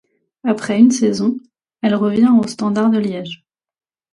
Après une saison, elle revient au Standard de Liège.